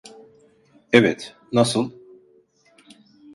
Evet, nasıl?